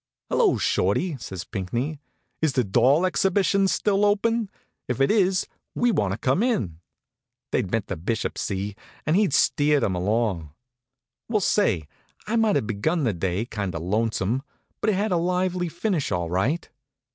"Hello, Shorty!" says Pinckney. "Is the doll exhibition still open? If it is, we want to come in." They'd met the Bishop; see? And he'd steered 'em along. Well say, I might have begun the day kind of lonesome, but it had a lively finish, all right.